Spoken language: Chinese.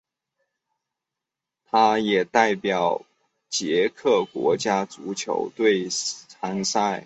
他也代表捷克国家足球队参赛。